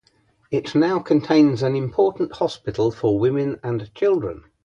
It now contains an important hospital for women and children.